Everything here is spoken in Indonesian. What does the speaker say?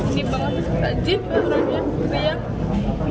dia pengen rajin barangnya kering